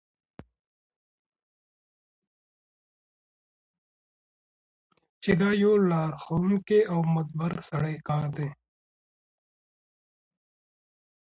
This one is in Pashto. چی دا د یو لارښوونکی او مدبر سړی کار دی.